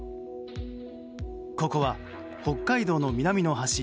ここは北海道の南の端